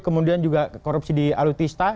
kemudian juga korupsi di alutista